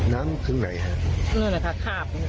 น้ำขึ้นไหนค่ะโน่นูนะคะคราบ